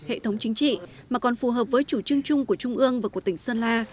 hệ thống chính trị mà còn phù hợp với chủ trương chung của trung ương và của tỉnh sơn la